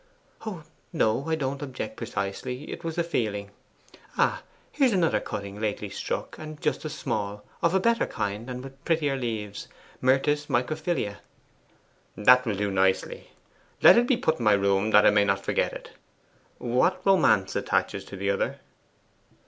'Oh no I don't object precisely it was a feeling. Ah, here's another cutting lately struck, and just as small of a better kind, and with prettier leaves myrtus microphylla.' 'That will do nicely. Let it be put in my room, that I may not forget it. What romance attaches to the other?